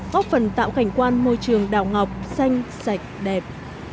góp phần tạo cảnh quan môi trường đào ngọc xanh sạch đẹp